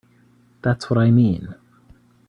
That's what I mean.